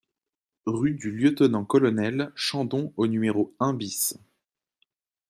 Rue du Lieutenant-Colonel Chandon au numéro un BIS